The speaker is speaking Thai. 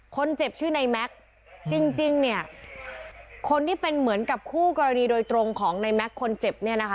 คนเจ็บชื่อในแม็กซ์จริงเนี่ยคนที่เป็นเหมือนกับคู่กรณีโดยตรงของในแม็กซ์คนเจ็บเนี่ยนะคะ